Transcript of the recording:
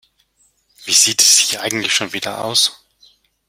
Wie sieht es hier eigentlich schon wieder aus?